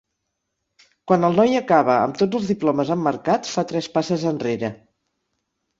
Quan el noi acaba amb tots els diplomes emmarcats fa tres passes enrere.